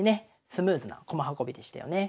スムーズな駒運びでしたよね。